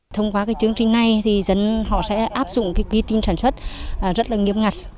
thông qua chương trình này thì dân họ sẽ áp dụng quy trình sản xuất rất là nghiêm ngặt